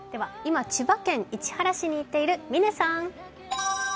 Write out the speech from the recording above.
今、千葉県市原市に行っている嶺さん。